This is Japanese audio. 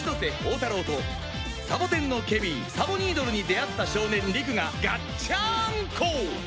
太郎とサボテンのケミーサボニードルに出会った少年理玖がガッチャンコ！